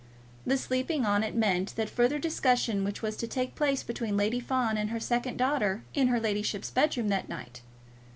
The sleeping on it meant that further discussion which was to take place between Lady Fawn and her second daughter in her ladyship's bed room that night.